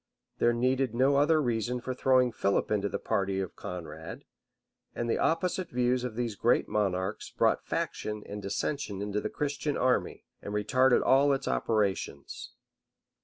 [] There needed no other reason for throwing Philip into the party of Conrade; and the opposite views of these great monarchs brought faction and dissension into the Christian army, and retarded all its operations.